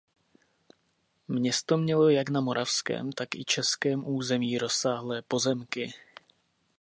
Město mělo jak na moravském tak i českém území rozsáhlé pozemky.